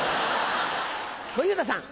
小遊三さん。